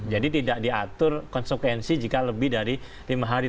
jadi tidak diatur konsekuensi jika lebih dari lima hari